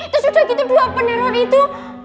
terus udah gitu dua peneror itu